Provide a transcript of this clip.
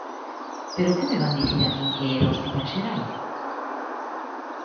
¿Pero que me van dicir a min e era o hospital xeral?